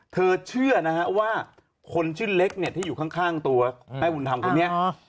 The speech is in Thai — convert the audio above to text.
เธอเชื่อนะฮะว่าคนชื่อเล็กเนี่ยที่อยู่ข้างตัวแม่บุญธรรมคนนี้